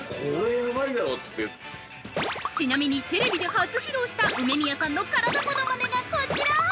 ◆ちなみに、テレビで初披露した梅宮さんの体物まねがこちら！